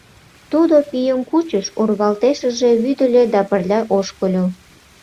Тудо пийым кучыш, урвалтешыже вӱдыльӧ да пырля ошкыльо.